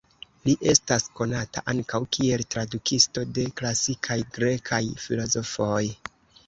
Li estas konata ankaŭ kiel tradukisto de klasikaj grekaj filozofoj.